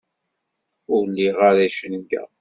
Ur liɣ ara icenga.